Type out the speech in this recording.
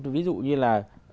ví dụ như là